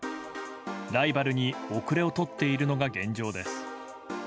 ライバルに遅れをとっているのが現状です。